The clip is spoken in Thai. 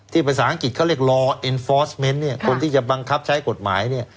ที่ภาษาอังกฤษเขาเรียกเนี้ยคนที่จะบังคับใช้กฎหมายเนี้ย